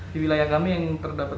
di wilayah kami yang terdapat